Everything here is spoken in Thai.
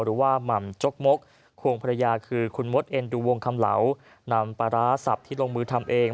หม่ำจกมกควงภรรยาคือคุณมดเอ็นดูวงคำเหลานำปลาร้าสับที่ลงมือทำเอง